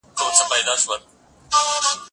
زه کولای سم سبا ته فکر وکړم،